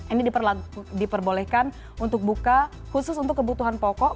ini diperbolehkan untuk buka khusus untuk kebutuhan pokok